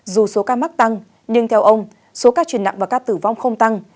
dù số ca mắc tăng nhưng theo ông số ca truyền nặng và ca tử vong không tăng